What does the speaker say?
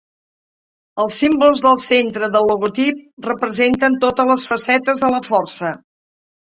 Els símbols del centre del logotip representen totes les facetes de la força.